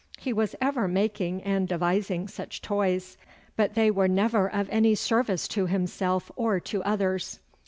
He was ever making and devising such toys, but they were never of any service to himself or to others.